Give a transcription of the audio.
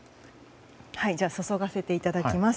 注がせていただきます。